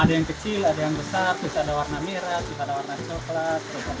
ada yang kecil ada yang besar terus ada warna merah ada warna coklat ada warna putih